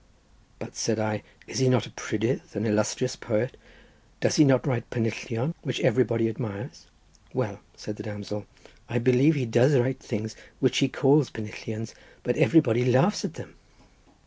"But," said I, "is he not a prydydd, an illustrious poet; does he not write pennillion which everybody admires?" "Well," said the damsel, "I believe he does write things which he calls pennillion, but everybody laughs at them."